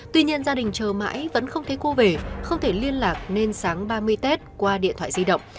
tuy nhiên gia đình chờ mãi vẫn không thấy cô về không thể liên lạc nên sáng ba mươi tết qua điện thoại di động